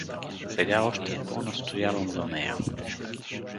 — Сега още по настоявам за нея.